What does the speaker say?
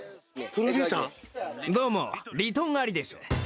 どうもリトン・アリです